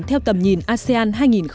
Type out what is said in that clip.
theo tầm nhìn asean hai nghìn hai mươi năm